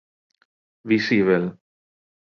Visible.